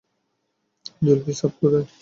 জুলফি সাব কোথায়?